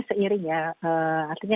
seiring ya artinya